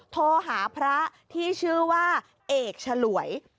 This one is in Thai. โทรหาพระที่ชื่อว่าเอกฉลวย